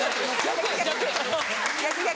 逆！